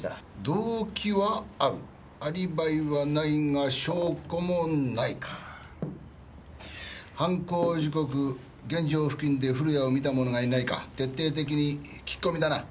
動機はあるアリバイはないが証拠もないか犯行時刻現場付近で古谷を見た者がいないか徹底的に聞き込みだな